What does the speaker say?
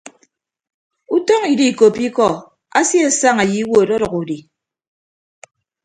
Utọñ idiikoppo ikọ asiesaña ye iwuot ọdʌk udi.